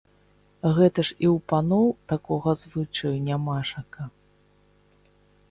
Гэта ж і ў паноў такога звычаю нямашака!